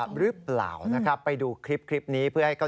พี่หมาพี่หมาพี่หมา